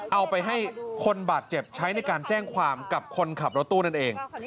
เอาไปให้คนบาดเจ็บใช้ในการแจ้งความกับคนขับรถตู้นั่นเอง